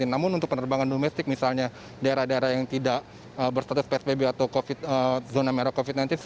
namun untuk penerbangan domestik misalnya daerah daerah yang tidak berstatus psbb atau zona merah covid sembilan belas